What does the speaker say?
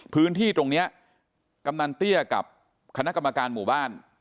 พื้นที่ตรงนี้กำนันเตี้ยกับคณะกรรมการหมู่บ้าน